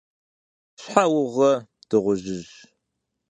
- Щхьэ угърэ, дыгъужьыжь?